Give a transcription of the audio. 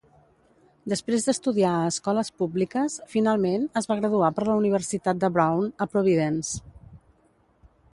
Després d'estudiar a escoles públiques, finalment es va graduar per la Universitat de Brown, a Providence.